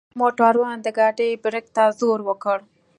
موټروان د ګاډۍ برک ته زور وکړ.